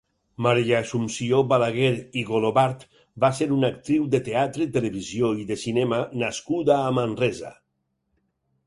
Maria Assumpció Balaguer i Golobart va ser una actriu de teatre, televisió i de cinema nascuda a Manresa.